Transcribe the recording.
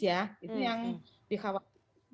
itu yang dikhawatirkan